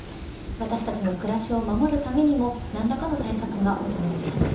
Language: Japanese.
私たちの暮らしを守るためにも何らかの対策が求められます。